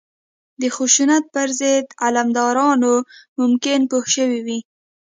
د خشونت پر ضد علمبرداران ممکن پوه شوي وي